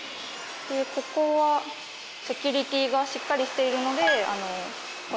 ここはセキュリティーがしっかりしているのでこの。